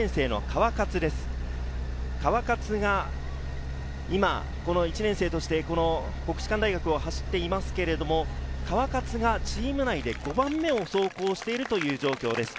川勝が今、１年生として国士舘大学を走っていますけれど、川勝がチーム内で５番目を走行しているという状況です。